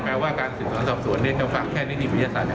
แข้งสัมภาษณ์กับที่ต้องที่เบียดเราจะ